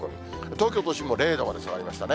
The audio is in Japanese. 東京都心も０度まで下がりましたね。